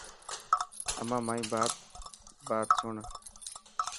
امان مائي بات بات سڻ.